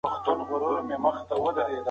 هغې د انټرنیټ له لارې یوه نوي ژبه زده کړه.